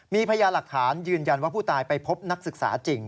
มีพยานหลักฐานยืนยันว่าผู้ตายไปพบนักศึกษาจริง